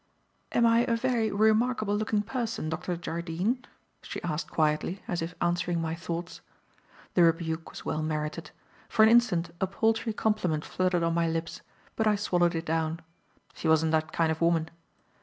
"Am I a very remarkable looking person, Dr. Jardine?" she asked quietly, as if answering my thoughts. The rebuke was well merited. For an instant a paltry compliment fluttered on my lips; but I swallowed it down. She wasn't that kind of woman.